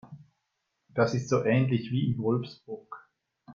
Das ist so ähnlich wie in Wolfsburg